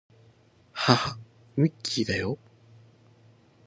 はは、ミッキーだよ